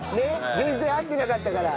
全然合ってなかったから。